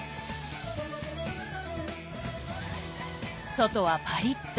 外はパリッと。